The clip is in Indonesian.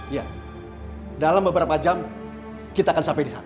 ya dalam beberapa jam kita akan sampai di sana